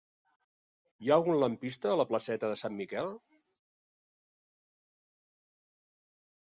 Hi ha algun lampista a la placeta de Sant Miquel?